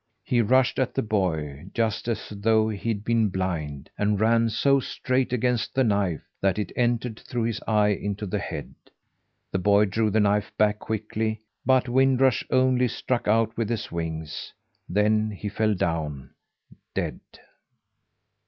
He rushed at the boy, just as though he'd been blind, and ran so straight against the knife, that it entered through his eye into the head. The boy drew the knife back quickly, but Wind Rush only struck out with his wings, then he fell down dead.